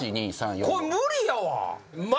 これ無理やわ。